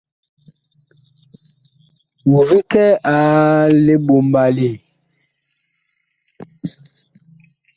Wu vi kɛ a liɓombali ?